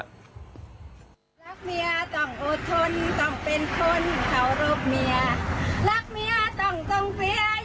รักเมียต้องโอดทนต้องเป็นคนเคารพเมีย